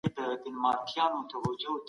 په خپلو اړيکو کې د صداقت لاره غوره کړئ.